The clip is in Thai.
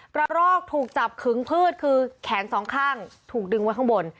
รอกถูกจับขึงพืชคือแขนสองข้างถูกดึงไว้ข้างบน